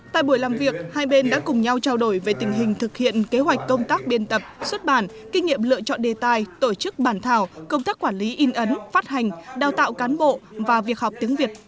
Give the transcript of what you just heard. tại buổi làm việc hai bên đã cùng nhau trao đổi về tình hình thực hiện kế hoạch công tác biên tập xuất bản kinh nghiệm lựa chọn đề tài tổ chức bản thảo công tác quản lý in ấn phát hành đào tạo cán bộ và việc học tiếng việt